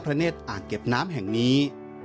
พ่อพระเนศอ่างเก็บน้ำแห่งนี้